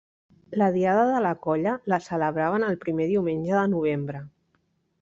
La Diada de la Colla la celebraven el primer diumenge de novembre.